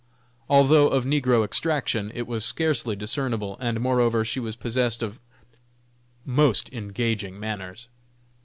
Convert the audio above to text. Although of negro extraction, it was scarcely discernable, and moreover she was possessed of most engaging manners.